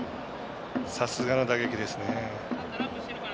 さすがの打撃ですね。